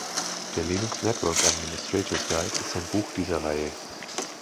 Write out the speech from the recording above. Der "Linux Network Administrators’ Guide" ist ein Buch dieser Reihe.